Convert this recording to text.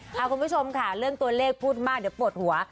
คุณผู้ชมค่ะเรื่องตัวเลขพูดมากเดี๋ยวปวดหัว